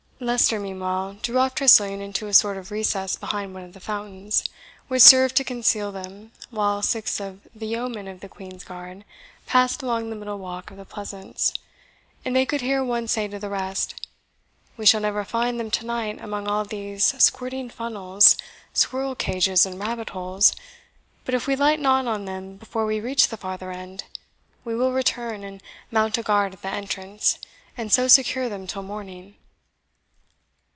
Leicester, meanwhile, drew off Tressilian into a sort of recess behind one of the fountains, which served to conceal them, while six of the yeomen of the Queen's guard passed along the middle walk of the Pleasance, and they could hear one say to the rest, "We shall never find them to night among all these squirting funnels, squirrel cages, and rabbit holes; but if we light not on them before we reach the farther end, we will return, and mount a guard at the entrance, and so secure them till morning."